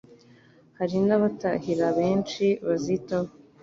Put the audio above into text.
Hari n'abatahira benshi bazitaho